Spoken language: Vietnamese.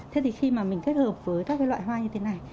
thế thì khi mà mình kết hợp với các cái loại hoa như thế này